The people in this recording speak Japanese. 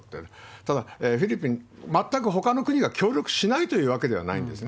ただフィリピン、全く、ほかの国が協力しないというわけではないんですね。